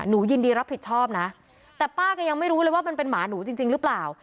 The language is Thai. ยินดีรับผิดชอบนะแต่ป้าก็ยังไม่รู้เลยว่ามันเป็นหมาหนูจริงหรือเปล่า